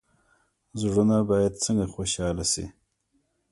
زړونه باید څنګه خوشحاله شي؟